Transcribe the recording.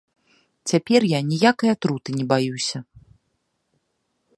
Цяпер я ніякай атруты не баюся.